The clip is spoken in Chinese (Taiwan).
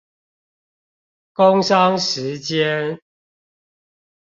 工商時間